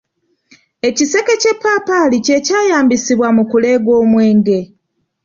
Ekiseke ky'eppaapaali kye kyeyambisibwa mu kulega omwenge.